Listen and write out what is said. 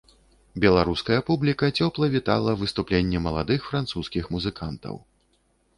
Беларуская публіка цёпла вітала выступленне маладых французскіх музыкантаў.